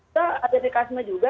saya ada di kasme juga